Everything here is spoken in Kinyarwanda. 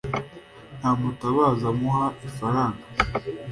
Ndamutabaza muha ifaranga.